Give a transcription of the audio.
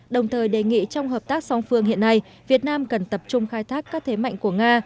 đồng thời đề nghị trong hợp tác song phương hiện nay việt nam cần tập trung khai thác các thế mạnh của nga